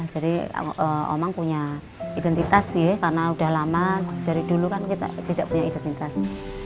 jadi omang punya identitas karena sudah lama dari dulu kita tidak punya identitas